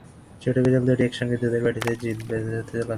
ছোট বিড়াল দুটি একসঙ্গে দুধের বাটিতে জিত ভেজাতে লাগল।